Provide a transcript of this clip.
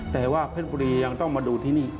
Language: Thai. แต่ว่าเพชรบุรียังต้องมาดูที่นี่